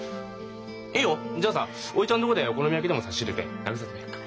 いいよ！じゃあさ叔父ちゃんのとこでお好み焼きでも差し入れて慰めてやろうか？